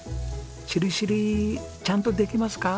しりしりーちゃんとできますか？